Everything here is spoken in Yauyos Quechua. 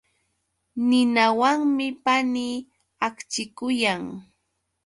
Ninawanmi panii akchikuyan.